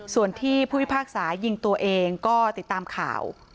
ส่วนที่ผู้พิพากษายิงตัวเองก็ติดตามข่าว